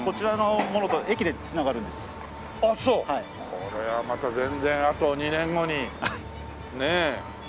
これはまた全然あと２年後にねえ。